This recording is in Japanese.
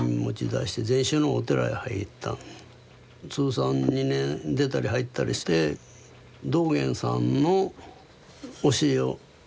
通算２年出たり入ったりして道元さんの教えをやってる曹洞宗やったんです。